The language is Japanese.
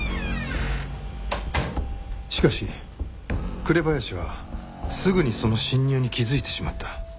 しかし紅林はすぐにその侵入に気づいてしまった。